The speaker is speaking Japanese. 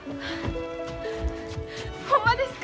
ほんまですか？